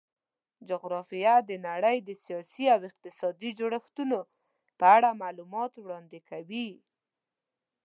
جغرافیه د نړۍ د سیاسي او اقتصادي جوړښتونو په اړه معلومات وړاندې کوي.